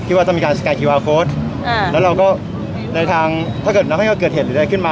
คิดว่าจะมีการอ่าแล้วเราก็ในทางถ้าเกิดนักภัยก็เกิดเหตุอะไรขึ้นมา